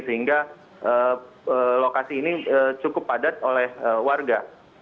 sehingga lokasi ini cukup padat oleh warga